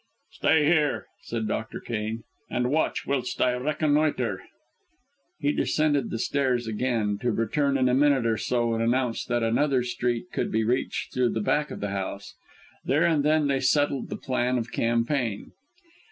"Stay here," said Dr. Cairn, "and watch, whilst I reconnoitre." He descended the stairs again, to return in a minute or so and announce that another street could be reached through the back of the house. There and then they settled the plan of campaign.